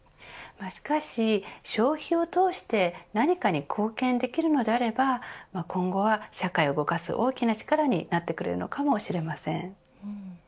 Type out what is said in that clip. しかし消費を通して何かに貢献できるのであれば今後は、社会を動かす大きな力になってくれるのかもしれません。